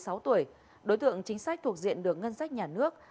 trẻ em dưới sáu tuổi đối tượng chính sách thuộc diện được ngân sách nhà nước